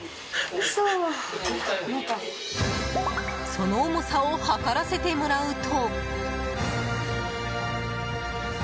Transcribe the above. その重さを量らせてもらうと。